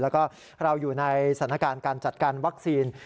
แล้วก็เราอยู่ในสถานการณ์การจัดการวัคซีน